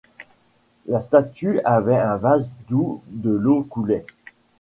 La statue avait un vase d'où de l'eau coulait.